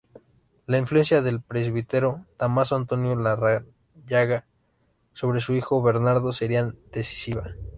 La influencia del presbítero Dámaso Antonio Larrañaga sobre su hijo Bernardo sería decisiva.